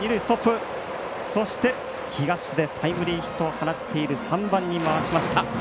そして、東出タイムリーヒットを打っている３番に回しました。